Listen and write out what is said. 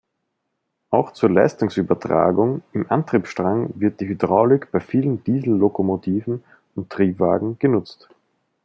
Auch zur Leistungsübertragung im Antriebsstrang wird die Hydraulik bei vielen Diesellokomotiven und -triebwagen genutzt.